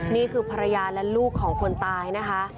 นี่คือภรรยาและลูกของคนตายนะคะ